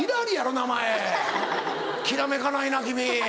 名前きらめかないな君。